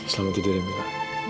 selamat tidur mila